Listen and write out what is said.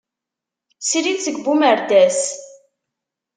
Srid seg Bumerdas.